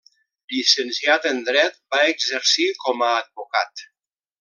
Llicenciat en dret, va exercir com a advocat.